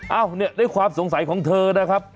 เอ้านี่ในความสงสัยของเธอนะครับ